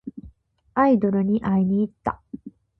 アイドルに会いにいった。